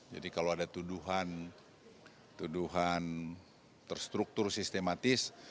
jadi kalau ada tuduhan tuduhan terstruktur sistematis